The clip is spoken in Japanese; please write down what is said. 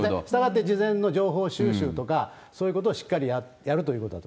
したがって、事前の情報収集とか、そういうことをしっかりやなるほど。